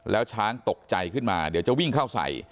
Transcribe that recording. แล้วช้างตกใจขึ้นมาเดี๋ยวจะวิ่งเข้าใส่